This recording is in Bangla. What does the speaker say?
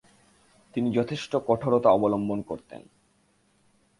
তিনি যথেষ্ট কঠোরতা অবলম্বন করতেন।